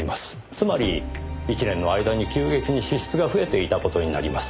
つまり１年の間に急激に支出が増えていた事になります。